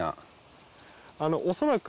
恐らく。